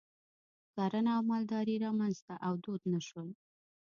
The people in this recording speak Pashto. کرنه او مالداري رامنځته او دود نه شول.